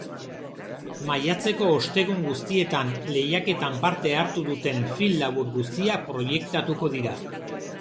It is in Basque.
Maiatzeko ostegun guztietan lehiaketan parte hartu duten film labur guztiak proiektatuko dira.